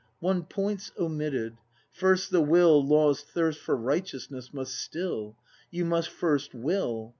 One point's omitted: First the Will Law's thirst for righteousness must still. You must first will!